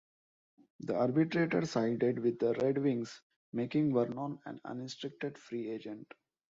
The arbitrator sided with the Red Wings, making Vernon an unrestricted free agent.